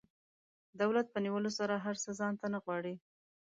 دولت په نیولو سره هر څه ځان ته نه غواړي.